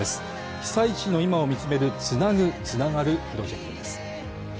被災地の今を見つめる「つなぐ、つながる」プロジェクトです。